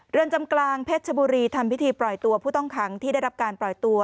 เรือนจำกลางเพชรชบุรีทำพิธีปล่อยตัวผู้ต้องขังที่ได้รับการปล่อยตัว